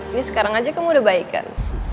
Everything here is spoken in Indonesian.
ini sekarang aja kamu udah baik kan